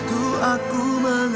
aku akan pergi